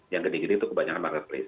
yang gini gini itu kebanyakan marketplace